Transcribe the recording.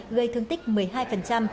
gây thương tích một mươi hai